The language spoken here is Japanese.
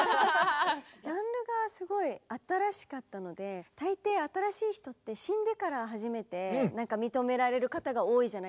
ジャンルがすごい新しかったので大抵新しい人って死んでから初めて認められる方が多いじゃないですか。